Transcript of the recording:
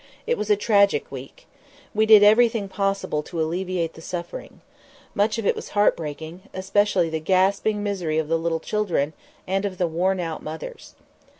It was a tragic week. We did everything possible to alleviate the suffering. Much of it was heartbreaking, especially the gasping misery of the little children and of the worn out mothers.